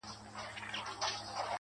هسې سترگي پـټـي دي ويــــده نــه ده.